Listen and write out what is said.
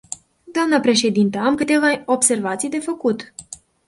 Dnă președintă, am câteva observații de făcut.